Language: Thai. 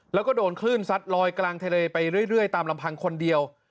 แล้วก็โดนคลื่นซัดลอยกลางทะเลไปเรื่อยตามลำพังคนเดียว